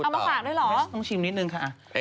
ต้องชิมนิดนึงค่ะ